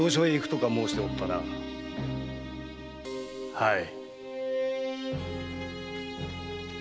はい。